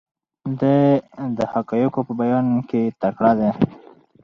دی د حقایقو په بیان کې تکړه دی.